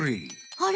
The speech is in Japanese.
あれ？